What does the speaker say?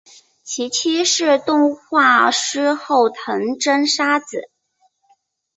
其妻是动画师后藤真砂子。